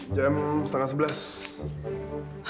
jam setengah sebelas